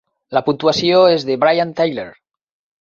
La puntuació és de Brian Tyler.